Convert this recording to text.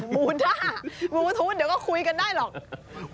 บลูทูตเดี๋ยวก็คุยกันได้หรอก